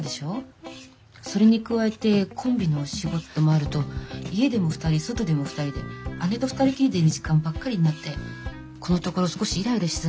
それに加えてコンビの仕事もあると家でも２人外でも２人で姉と２人きりでいる時間ばっかりになってこのところ少しイライラしてたんです。